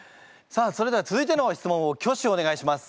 さあそれでは続いての質問を挙手お願いします。